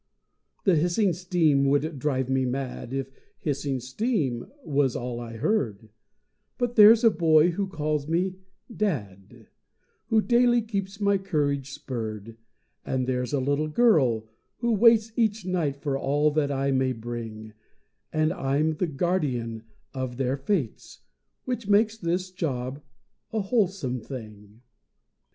The hissing steam would drive me mad If hissing steam was all I heard; But there's a boy who calls me dad Who daily keeps my courage spurred; And there's a little girl who waits Each night for all that I may bring, And I'm the guardian of their fates, Which makes this job a wholesome thing.